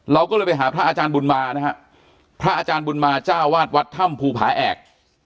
เราก็เลยไปหาพระอาจารย์บุญมานะฮะพระอาจารย์บุญมาเจ้าวาดวัดถ้ำภูผาแอก